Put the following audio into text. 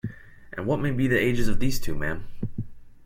And what may be the ages of these two, ma'am?